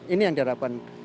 ini yang diharapkan